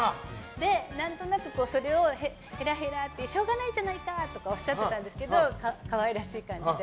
何となく、それをへらへらってしょうがないじゃないかっておっしゃってたんですけど可愛らしい感じで。